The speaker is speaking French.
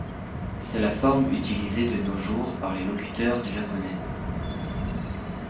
C'est la forme utilisée de nos jours par les locuteurs du japonais.